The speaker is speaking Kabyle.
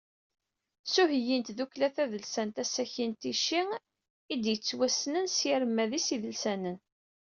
S uheyyi n tdukkla tadelsant Asaki n Ticci i d-yettwassnen s yirmad-is idelsanen.